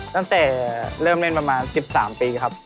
ตั้งแต่เริ่มเล่นประมาณ๑๓ปีครับ